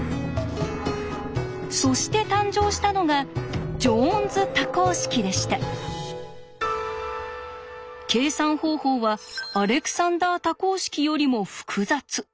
そして誕生したのが計算方法はアレクサンダー多項式よりも複雑。